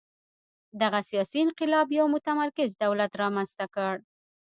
دغه سیاسي انقلاب یو متمرکز دولت رامنځته کړ.